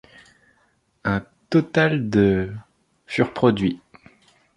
Un total de furent produits.